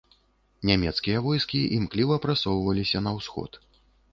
Нямецкія войскі імкліва прасоўваліся на ўсход.